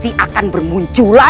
tetap saja berusaha